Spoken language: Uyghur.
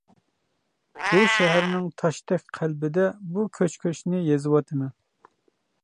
بۇ شەھەرنىڭ تاشتەك قەلبىدە بۇ كۆچ-كۆچنى يېزىۋاتىمەن.